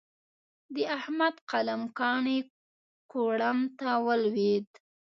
د احمد قلم کاڼی کوړم ته ولوېد.